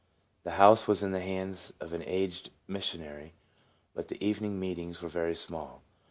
The house was in the hands of an aged missionary, but the , evening meetings were very small.